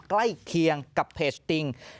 ใกล้เคียงกับเพจติ่ง